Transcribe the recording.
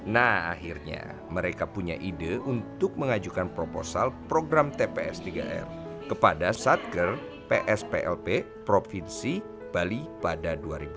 nah akhirnya mereka punya ide untuk mengajukan proposal program tps tiga r kepada satker psplp provinsi bali pada dua ribu delapan belas